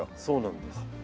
そうなんです。